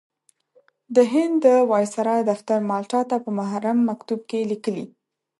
د هند د وایسرا دفتر مالټا ته په محرم مکتوب کې لیکلي.